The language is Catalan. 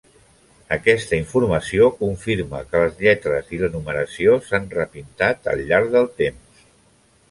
Aquesta informació confirma que les lletres i la numeració s'han repintat al llarg del temps.